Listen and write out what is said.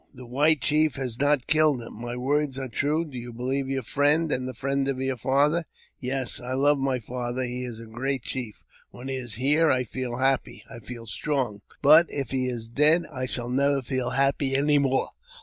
The white chief has not killed him. My words are true. Do you believe your friend, and the friend of your father ?"" Yes. I love my father; he is a great chief. When he is here, I feel happy — I feel strong ; but if he is dead, I shall never feel happy any more.